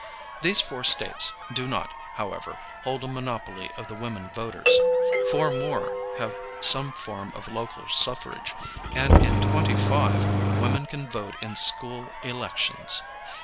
These four States do not, however, hold a monopoly of the women voters. Four more have some form of local suffrage, and in twenty five women can vote on school elections.